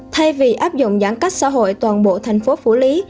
thay vì áp dụng giãn cách xã hội toàn bộ thành phố phủ lý